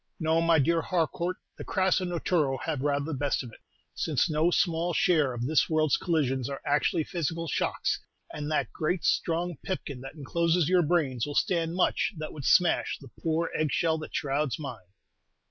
"No, my dear Harcourt, the crasso naturo have rather the best of it, since no small share of this world's collisions are actually physical shocks; and that great strong pipkin that encloses your brains will stand much that would smash the poor egg shell that shrouds mine."